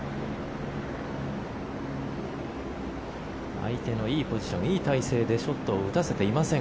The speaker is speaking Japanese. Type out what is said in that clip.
相手のいいポジションいい体勢でショットを打たせていません